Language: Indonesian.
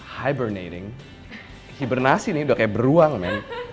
hibernating hibernasi nih udah kayak beruang nih